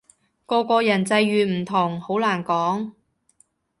個個人際遇唔同，好難講